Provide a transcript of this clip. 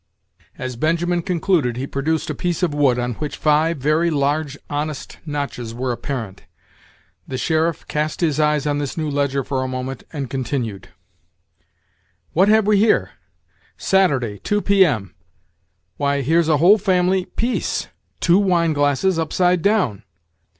As Benjamin concluded he produced a piece of wood, on which five very large, honest notches were apparent. The sheriff cast his eyes on this new ledger for a moment, and continued: "What have we here! Saturday, two P.M. Why here's a whole family piece! two wine glasses upside down!"